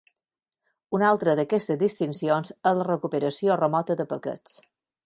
Una altra d'aquestes distincions és la recuperació remota de paquets.